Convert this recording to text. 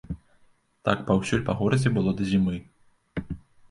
Так паўсюль па горадзе было да зімы.